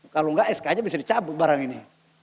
kalau enggak sk nya bisa dicabut barang ini